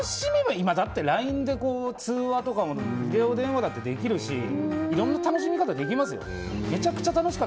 今はだってＬＩＮＥで通話とかもビデオ電話だってできるしいろんな楽しみ方できますよ。